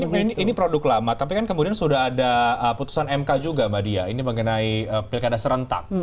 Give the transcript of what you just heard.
tapi ini produk lama tapi kan kemudian sudah ada putusan mk juga mbak dia ini mengenai pilkada serentak